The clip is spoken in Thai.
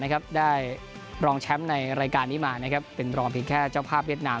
การนี้มานะครับเป็นรองผิดแค่เจ้าภาพเวียดนาม